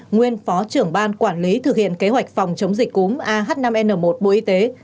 nguyên phó trưởng ban quản lý thực hiện kế hoạch phòng chống dịch cúm ah năm n một bộ y tế